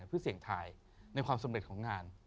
เพื่อเสี่ยงทายในความสำเร็จของงาน